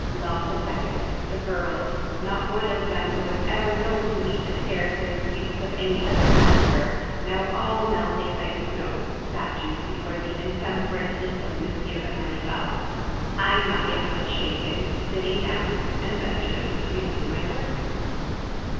Lull the second—the girls, not one of whom was ever known to weep a tear for the rebukes of any other master, now all melting like snow statues before the intemperate heat of M. Emanuel: I not yet much shaken, sitting down, and venturing to resume my work.